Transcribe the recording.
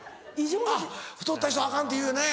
太った人アカンっていうよね。